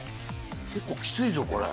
結構きついぞこれ。